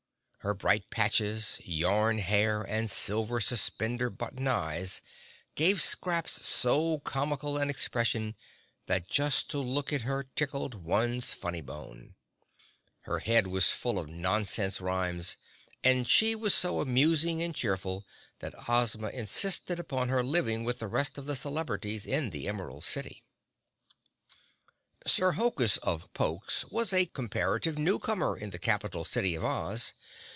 Her bright patches, yarn hair and silver suspender button eyes gave Scraps so comical an expression that just to look at her tickled one's funny bone. Her head was full of nonsense rhymes and she was so amusing and cheerful that Ozma insisted upon her living with the rest of the celebrities in the Emerald City. [Illustration: Just to Look at Scraps Tickled One's Funny Bone] Sir Hokus of Pokes was a comparative new comer in the capital city of Oz.